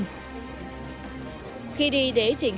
khi đi đế chỉnh hình các bác sĩ sẽ được điều trị cho các bác sĩ